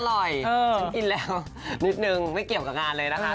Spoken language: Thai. ฉันกินแล้วนิดนึงไม่เกี่ยวกับงานเลยนะคะ